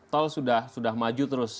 tol sudah maju terus